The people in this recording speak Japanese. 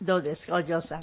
お嬢さん。